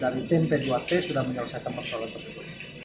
dari tim p dua p sudah menyelesaikan masalah tersebut